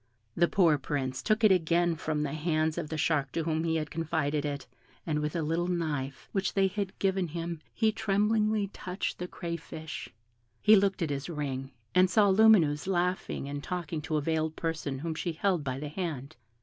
The poor Prince took it again from the hands of the shark to whom he had confided it, and with a little knife which they had given him he tremblingly touched the crayfish; he looked at his ring, and saw Lumineuse laughing and talking to a veiled person whom she held by the hand.